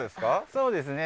そうですね。